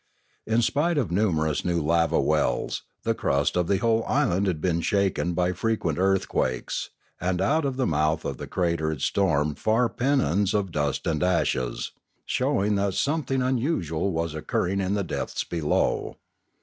In spite of numerous new lava wells, the crust of the whole island had been shaken by frequent earthquakes, and out of the mouth of the crater had stormed far pennons of dust and ashes, showing that something unusual was occurring in the depths below.